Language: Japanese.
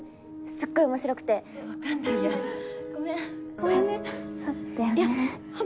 すっごい面白くて分かんないやごめんそうだよね